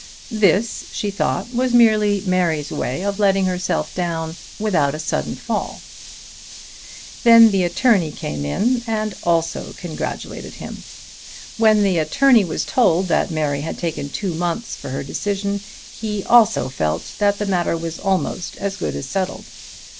This, she thought, was merely Mary's way of letting herself down without a sudden fall. Then the attorney came in and also congratulated him. When the attorney was told that Mary had taken two months for her decision he also felt that the matter was almost as good as settled.